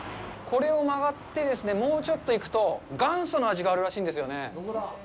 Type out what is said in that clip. これを曲がってですね、もうちょっと行くと元祖の味があるらしいんですよね。